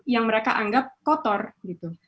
yang mereka anggap kotor gitu